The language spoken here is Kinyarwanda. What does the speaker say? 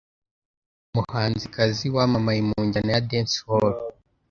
muhanzikazi wamamaye mu njyana ya Dance Hall